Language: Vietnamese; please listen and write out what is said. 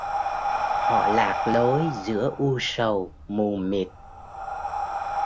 Họ lạc lối giữa u sầu mù mịt